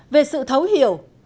về sự thấu hiểu